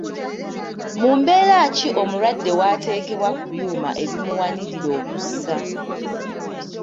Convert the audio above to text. Mu mbeera ki omulwadde w'ateekebwa ku byuma ebimuwanirira okussa?